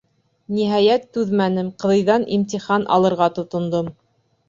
Ниһайәт, түҙмәнем, ҡыҙыйҙан «имтихан» алырға тотондом.